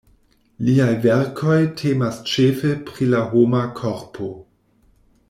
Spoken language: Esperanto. Liaj verkoj temas ĉefe pri la homa korpo.